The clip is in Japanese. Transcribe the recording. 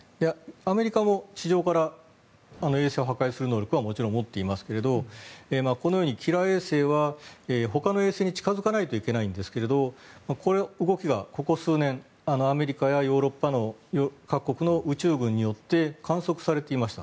アメリカも地上から衛星を破壊する能力はもちろん持っていますがこのようにキラー衛星はほかの衛星に近付かないといけないんですけどこの動きがここ数年アメリカやヨーロッパの各国の宇宙軍によって観測されていました。